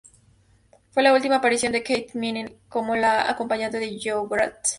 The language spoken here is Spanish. Fue la última aparición de Katy Manning como la acompañante Jo Grant.